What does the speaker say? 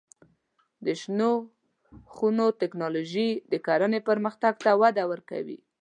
د شنو خونو تکنالوژي د کرنې پرمختګ ته وده ورکوي.